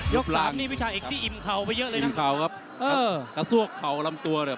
ยกต่อ๓ตรงนี้วิชาเอกที่อิ่มเขาไปเยอะเลยนะครับ